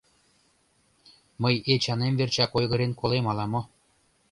— Мый Эчанем верчак ойгырен колем ала-мо.